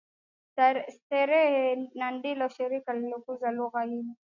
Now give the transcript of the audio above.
Streere na ndilo Shirika lililokuza lugha hii